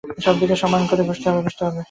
সবদিকে সমান করে ঘষতে হবে।